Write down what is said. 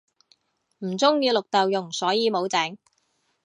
唔鍾意綠豆蓉所以無整